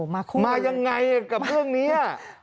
ทรงนิทมาอย่างไรกับเรื่องนี้